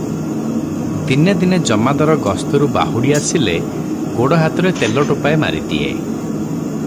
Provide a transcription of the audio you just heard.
ଦିନେ ଦିନେ ଜମାଦାର ଗସ୍ତରୁ ବାହୁଡି ଆସିଲେ ଗୋଡ଼ ହାତରେ ତେଲ ଟୋପାଏ ମାରିଦିଏ ।